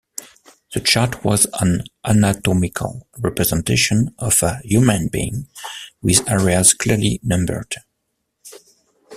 The chart was an anatomical representation of a human being, with areas clearly numbered.